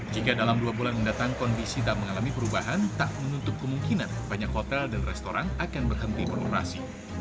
jika dalam dua bulan mendatang kondisi tak mengalami perubahan tak menutup kemungkinan banyak hotel dan restoran akan berhenti beroperasi